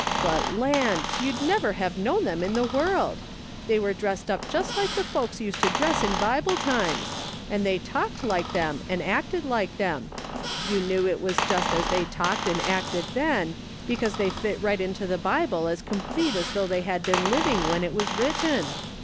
But, land, you'd never have known them in the world ! They were dressed up just like the folks used to dress in Bible times, and tliey talked D 34 MJiS. SOLOMON" SMITH LOOKING ON. like thorn and acted like them. You knew it was just as they talked and acted then, because they fit right into the IJible as complete as though they had been living when it was written.